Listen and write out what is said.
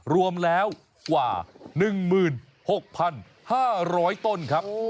รวมแล้วกว่า๑๖๕๐๐ต้นครับ